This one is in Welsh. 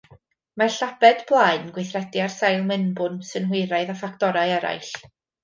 Mae'r llabed blaen yn gweithredu ar sail mewnbwn synhwyraidd a ffactorau eraill.